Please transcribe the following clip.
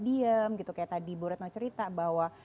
diem gitu kayak tadi bu retno cerita bahwa